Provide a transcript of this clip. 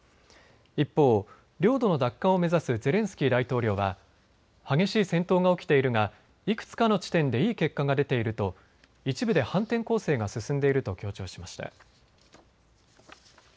一方、領土の奪還を目指すゼレンスキー大統領は激しい戦闘が起きているがいくつかの地点でいい結果が出ていると一部で反転攻勢が進んでいると強調しました。